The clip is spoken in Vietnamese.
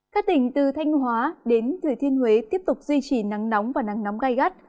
các tỉnh từ thanh hóa đến thừa thiên huế tiếp tục duy trì nắng nóng và nắng nóng gai gắt